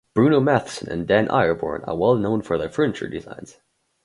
Bruno Mathsson and Dan Ihreborn are well known for their furniture designs.